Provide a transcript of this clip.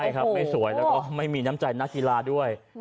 ใช่ครับไม่สวยแล้วก็ไม่มีน้ำใจนักกีฬาด้วย